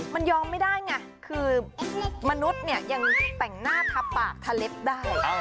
มันยอมไม่ได้ไงคือมนุษย์เนี่ยยังแต่งหน้าทับปากทะเล็บได้